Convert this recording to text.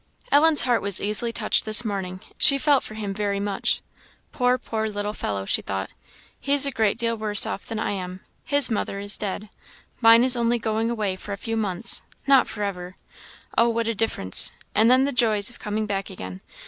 Ellen's heart was easily touched this morning; she felt for him very much. "Poor, poor little fellow!" she thought; "he's a great deal worse off than I am. His mother is dead; mine is only going away for a few months not for ever oh, what a difference! and then the joy of coming back again!"